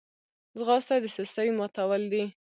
ځغاسته د سستۍ ماتول دي